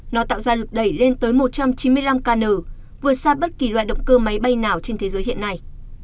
nó tạo ra lực đẩy lên tới một trăm chín mươi năm kn vượt xa bất kỳ loài động cơ máy bay nào trên thế giới hiện nay